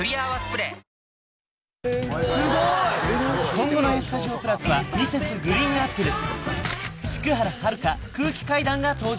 今後の「ＡＳＴＵＤＩＯ＋」はＭｒｓ．ＧＲＥＥＮＡＰＰＬＥ福原遥空気階段が登場